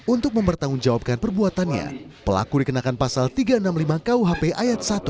untuk mempertanggungjawabkan perbuatannya pelaku dikenakan pasal tiga ratus enam puluh lima kuhp ayat satu